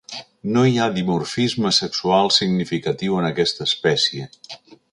No hi ha dimorfisme sexual significatiu en aquesta espècie.